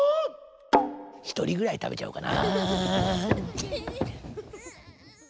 ひとりぐらいたべちゃおうかな。